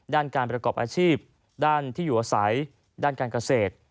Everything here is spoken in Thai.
ด้านการประกอบอาชีพด้านที่อยู่อาศัยด้านการเกษตร